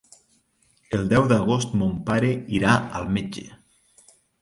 El deu d'agost mon pare irà al metge.